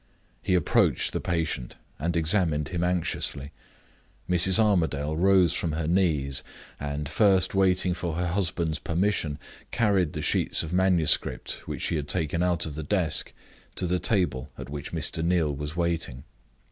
He approached the patient, and examined him anxiously. Mrs. Armadale rose from her knees; and, first waiting for her husband's permission, carried the sheets of manuscript which she had taken out of the desk to the table at which Mr. Neal was waiting.